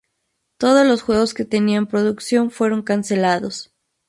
Todos los juegos que tenía en producción fueron cancelados.